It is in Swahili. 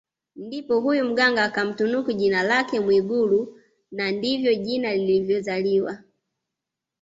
Ndipo huyo Mganga akamtunuku jina lake la Mwigulu na ndivyo jina lilivyozaliwa